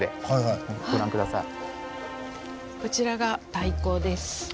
こちらが太鼓です。